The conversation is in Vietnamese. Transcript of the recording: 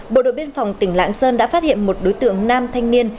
bộ đội biên phòng tỉnh lạng sơn đã phát hiện một đối tượng nam thanh niên